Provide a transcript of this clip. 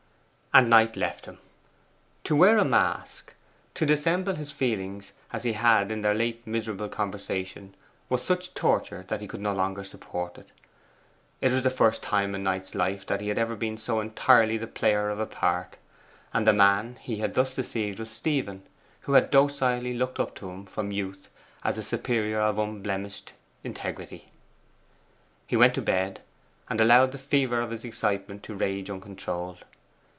And Knight left him. To wear a mask, to dissemble his feelings as he had in their late miserable conversation, was such torture that he could support it no longer. It was the first time in Knight's life that he had ever been so entirely the player of a part. And the man he had thus deceived was Stephen, who had docilely looked up to him from youth as a superior of unblemished integrity. He went to bed, and allowed the fever of his excitement to rage uncontrolled.